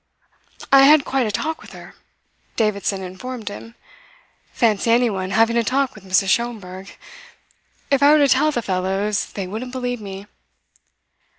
I had quite a talk with her," Davidson informed him. "Fancy anyone having a talk with Mrs. Schomberg! If I were to tell the fellows they wouldn't believe me.